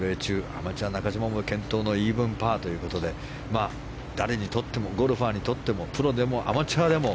アマチュア、中島も健闘のイーブンパーということで誰にとってもゴルファーにとってもプロでもアマチュアでも